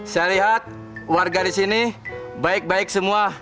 saya lihat warga di sini baik baik semua